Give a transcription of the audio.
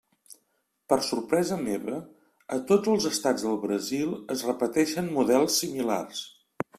Per sorpresa meva, a tots els estats del Brasil es repeteixen models similars.